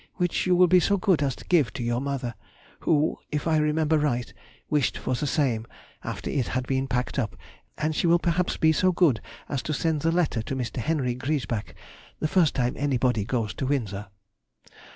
which you will be so good as to give to your mother, who (if I remember right) wished for the same, after it had been packed up, and she will perhaps be so good as to send the letter to Mr. Henry Griesbach the first time anybody goes to Windsor.